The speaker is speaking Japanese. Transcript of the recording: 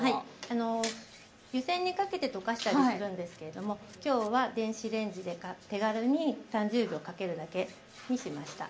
あの湯煎にかけて溶かしたりするんですけれども今日は電子レンジで手軽に３０秒かけるだけにしました。